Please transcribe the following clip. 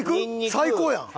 最高やん！